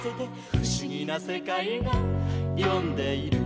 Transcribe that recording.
「ふしぎなせかいがよんでいる」